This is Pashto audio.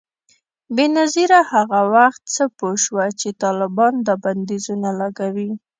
بېنظیره هغه وخت څه پوه شوه چي طالبان دا بندیزونه لګوي؟